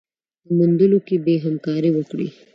موندلو کي يې همکاري وکړئ